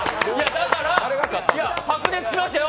だから、白熱しましたよ。